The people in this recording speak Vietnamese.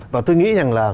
và tôi nghĩ rằng là